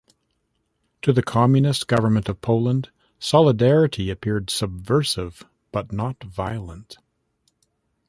To the Communist government of Poland, Solidarity appeared subversive but not violent.